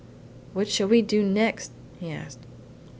"What shall we do next?" he asked.